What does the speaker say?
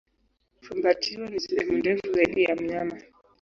Fumbatio ni sehemu ndefu zaidi ya mnyama.